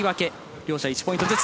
両者１ポイントずつ。